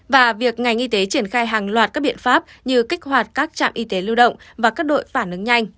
và việc ngành y tế triển khai hàng loạt các biện pháp như kích hoạt các trạm y tế lưu động và các đội phản ứng nhanh